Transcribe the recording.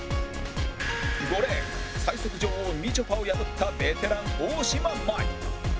５レーン最速女王みちょぱを破ったベテラン大島麻衣